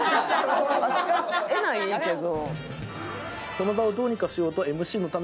扱えないけど。